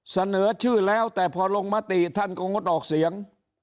เสนอชื่อแล้วแต่พอลงมติท่านก็งดออกเสียง